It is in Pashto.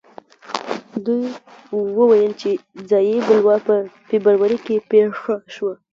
دوی وویل چې ځايي بلوا په فبروري کې پېښه شوه.